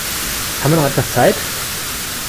Haben wir noch etwas Zeit?